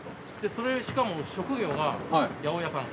それしかも職業が八百屋さん。